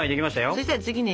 そしたら次ね